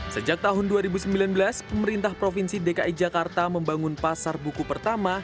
sejak tahun dua ribu sembilan belas pemerintah provinsi dki jakarta membangun pasar buku pertama